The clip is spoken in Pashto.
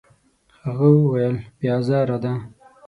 هغه وویل: «بې ازاره ده.»